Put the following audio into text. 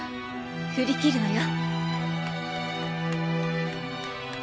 振りきるのよ。